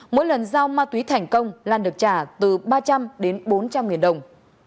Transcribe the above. mỗi lần giao ma túy thành công lan được trả từ ba trăm linh đến bốn trăm linh nghìn đồng